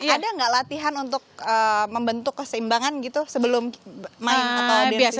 ada nggak latihan untuk membentuk keseimbangan gitu sebelum main atau defisit